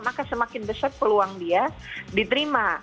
maka semakin besar peluang dia diterima